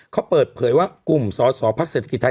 เขาเปิดเผยว่ากลุ่มสอสอพักเศรษฐกิจไทย